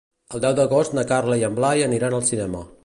El deu d'agost na Carla i en Blai aniran al cinema.